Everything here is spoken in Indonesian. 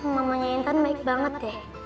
mamanya intan baik banget ya